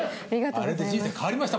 あれで人生変わりました